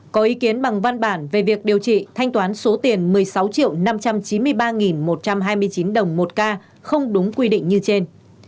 có ý kiến bằng văn bản về việc điều trị thanh toán số tiền một mươi sáu năm trăm chín mươi ba một trăm hai mươi chín đồng một ca không đúng quy định như trên